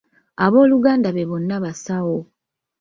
Abooluganda be bonna basawo.